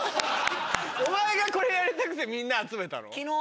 お前がこれやりたくてみんな集めたの？